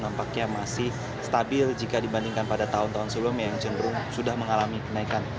nampaknya masih stabil jika dibandingkan pada tahun tahun sebelumnya yang cenderung sudah mengalami kenaikan